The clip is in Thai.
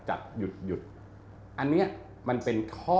อันเนี่ยมันเป็นท่อ